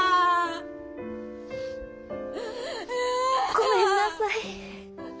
ごめんなさい。